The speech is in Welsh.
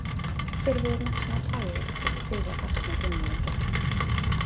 Ffurfiwyd National Power wedi preifateiddio'r farchnad ynni ym Mhrydain.